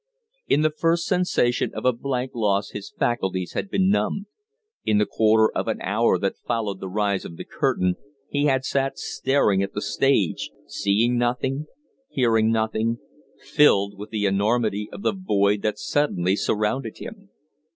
In the first sensation of blank loss his faculties had been numbed; in the quarter of an hour that followed the rise of the curtain he had sat staring at the stage, seeing nothing, hearing nothing, filled with the enormity of the void that suddenly surrounded him.